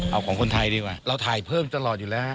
เอาของคนไทยดีกว่าเราถ่ายเพิ่มตลอดอยู่แล้วฮะ